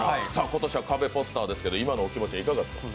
今年はカベポスターですけど今のお気持ちいかがですか？